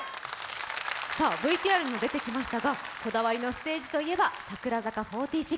ＶＴＲにも出てきましたが、こだわりのステージといえば櫻坂４６。